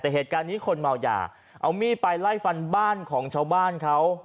แต่เหตุการณ์นี้คนเมายาเอามีดไปไล่ฟันบ้านของชาวบ้านเขา